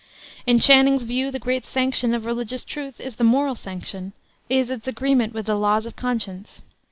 In Channing's view the great sanction of religious truth is the moral sanction, is its agreement with the laws of conscience.